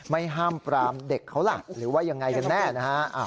ไม่ห้ามปรามเด็กเขาล่ะหรือว่ายังไงกันแน่นะฮะ